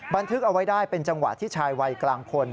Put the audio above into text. บันทึกเอาไว้ได้เป็นจังหวะที่ชายวัยกลางคน